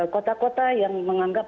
kota kota yang menganggap